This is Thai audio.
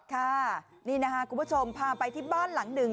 ค่ะนี่นะคะคุณผู้ชมพาไปที่บ้านหลังหนึ่ง